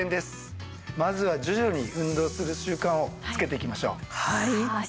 まずは徐々に運動する習慣をつけていきましょう。